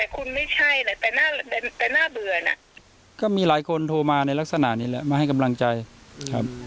คือก็มีหลายคนโทรมาในลักษณะนี้มาให้กำลังใจครับ